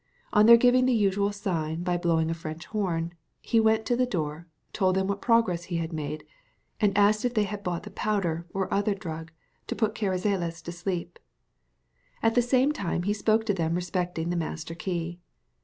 On their giving the usual signal by blowing a French horn, he went to the door, told them what progress he had made, and asked had they brought the powder or other drug to put Carrizales to sleep. At the same time, he spoke to them respecting the master key.